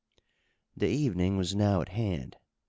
The evening was now at hand.